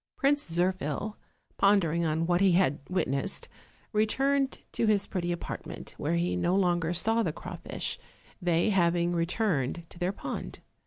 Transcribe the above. Prince Zirphil, pondering on what he had witnessed, returned to his pretty apartment, where he no longer saw the crawfish, they having returned to their pond.